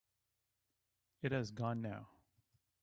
It has gone now.